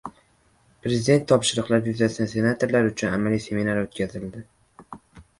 Prezident topshiriqlari yuzasidan senatorlar uchun amaliy seminar o‘tkazildi